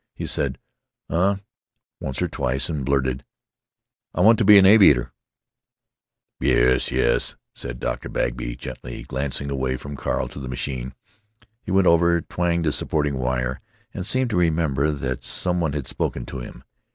He said "Uh" once or twice, and blurted, "I want to be an aviator." "Yes, yes," said Dr. Bagby, gently, glancing away from Carl to the machine. He went over, twanged a supporting wire, and seemed to remember that some one had spoken to him.